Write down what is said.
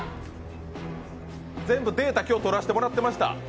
全部データ、今日取らせてもらってました。